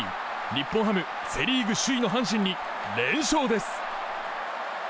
日本ハム、セ・リーグ首位の阪神に連勝です。